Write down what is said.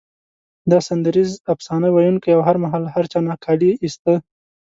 دا سندریز افسانه ویونکی او هر مهال له هر چا نه کالي ایسته.